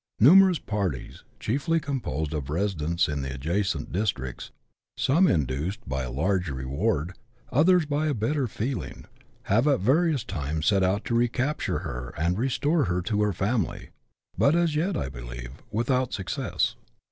Numerous parties, chiefly composed of residents in the adjacent districts, some induced by a large reward, others by a better feeling, have at various times set out to recapture her and restore her to her family, but as yet, I believe, without success.